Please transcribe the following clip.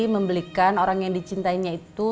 membelikan orang yang dicintainya itu